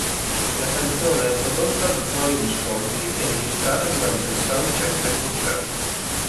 La canzone è prodotta da Tony Visconti e registrata durante il soundcheck del concerto.